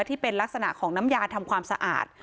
ที่เป็นลักษณะของน้ำยาทำความสะอาด